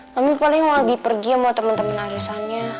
mami paling mau lagi pergi sama temen temen arisannya